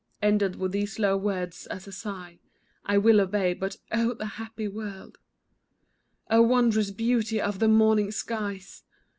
Ended with these low words as a sigh, I will obey, but, "oh, the happy world!" Oh, wondrous beauty of the morning skies!